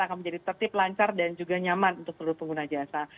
akan menjadi tertib lancar dan juga nyaman untuk seluruh pengguna jasa